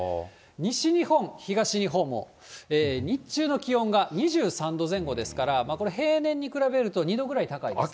西日本、東日本も日中の気温が２３度前後ですから、これ、平年に比べると２度くらい高いですね。